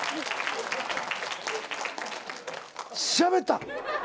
しゃべった。